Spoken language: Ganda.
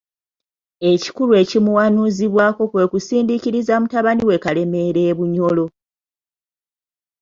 Ekikulu ekimuwanuuzibwako kwe kusindiikiriza mutabani we Kalemeera e Bunyoro.